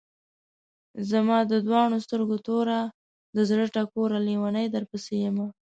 زما د دواڼو سترګو توره، د زړۀ ټوره لېونۍ درپسې يمه